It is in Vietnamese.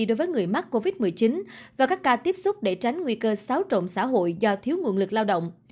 đối với người mắc covid một mươi chín và các ca tiếp xúc để tránh nguy cơ xáo trộn xã hội do thiếu nguồn lực lao động